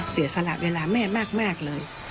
เสียสละเวลาแม่มากเลย